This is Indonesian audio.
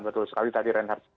betul sekali tadi renhard sampaikan